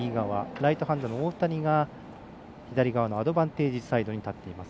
ライトハンドの大谷が左側のアドバンテージサイドに立っています。